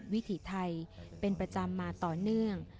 วิถีไทยเป็นประจำมาต่อเนื่อง